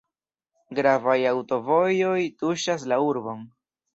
Gravaj aŭtovojoj tuŝas la urbon.